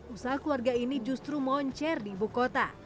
usaha keluarga ini justru moncer di ibukota